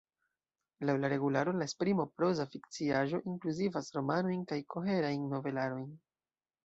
Laŭ la regularo, la esprimo proza fikciaĵo inkluzivas romanojn kaj koherajn novelarojn.